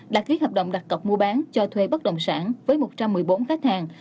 đã ký hợp đồng đặt cọc mua bán cho thuê bất đồng sản với một trăm một mươi bốn khách hàng